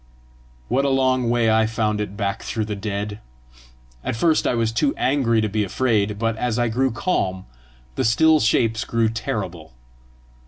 What a long way I found it back through the dead! At first I was too angry to be afraid, but as I grew calm, the still shapes grew terrible.